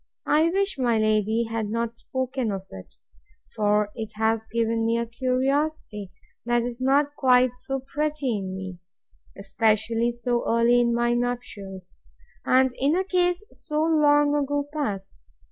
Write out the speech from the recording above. I wish my lady had not spoken of it: for it has given me a curiosity that is not quite so pretty in me; especially so early in my nuptials, and in a case so long ago past.